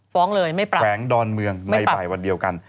ฟ้องเลยไม่ปรับแขวงดอนเมืองในบ่ายวันเดียวกัน